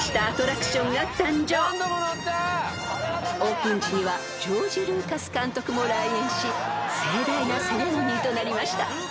［オープン時にはジョージ・ルーカス監督も来園し盛大なセレモニーとなりました］